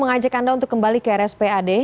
mengajak anda untuk kembali ke rs pad